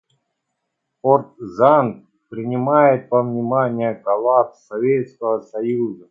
Ортзанд принимает во внимание коллапс Советского Союза.